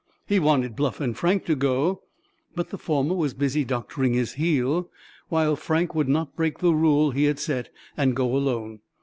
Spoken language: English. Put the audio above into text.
He wanted Bluff and Frank to go, but the former was busy doctoring his heel, while Frank would not break the rule he had set and go alone.